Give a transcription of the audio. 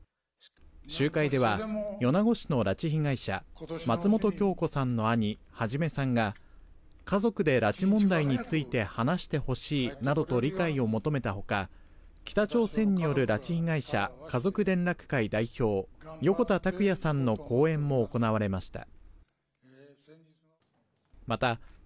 集会では、米子市の拉致被害者、松本京子さんの兄、孟さんが、家族で拉致問題について話してほしいなどと理解を求めたほか、北朝鮮による拉致被害者家族連絡会代表、横田拓也さんの講演も行われました。